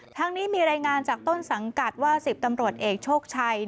ทั้งนี้มีรายงานจากต้นสังกัดว่า๑๐ตำรวจเอกโชคชัย